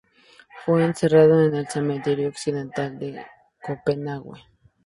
Fue enterrado en el Cementerio Occidental de Copenague.